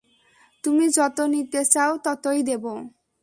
তুমি যত নিতে চাও, ততই দেব।